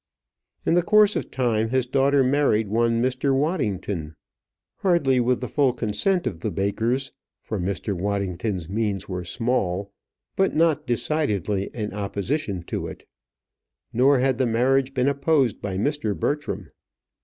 In the course of time his daughter married one Mr. Waddington, hardly with the full consent of the Bakers, for Mr. Waddington's means were small but not decidedly in opposition to it; nor had the marriage been opposed by Mr. Bertram.